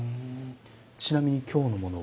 ちなみに今日のものは？